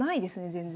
全然。